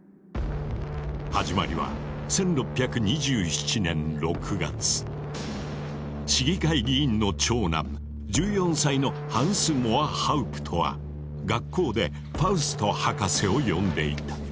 始まりは市議会議員の長男１４歳のハンス・モアハウプトは学校で「ファウスト博士」を読んでいた。